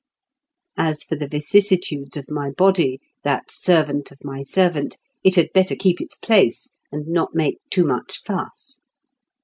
As for the vicissitudes of my body, that servant of my servant, it had better keep its place, and not make too much fuss.